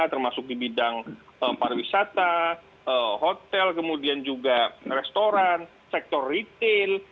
termasuk di bidang pariwisata hotel kemudian juga restoran sektor retail